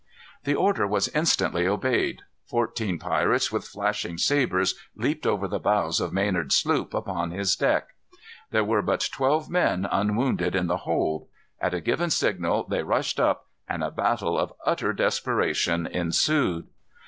The order was instantly obeyed. Fourteen pirates, with flashing sabres, leaped over the bows of Maynard's sloop, upon his deck. There were but twelve men unwounded in the hold. At a given signal they rushed up, and a battle of utter desperation ensued.